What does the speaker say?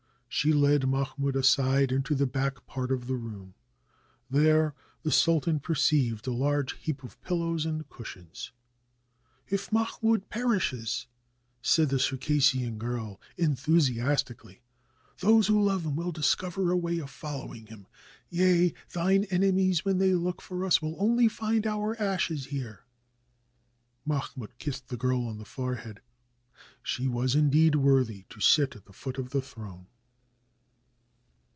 She led Mahmoud aside into the back part of the room. There the sultan perceived a large heap of pillows and cushions. "If Mahmoud perishes," said the Circassian girl en thusiastically, "those who love him will discover a way of following him ; yea, thine enemies, when they look for us, will only find our ashes here." Mahmoud kissed the girl on the forehead; she was, indeed, worthy to sit at the foot of the throne.